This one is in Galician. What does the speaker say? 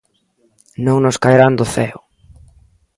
Non nos caerán do ceo.